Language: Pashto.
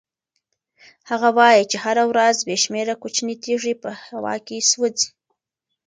هغه وایي چې هره ورځ بې شمېره کوچنۍ تېږې په هوا کې سوځي.